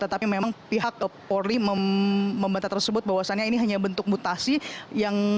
tetapi memang pihak polri membantah tersebut bahwasannya ini hanya bentuk mutasi yang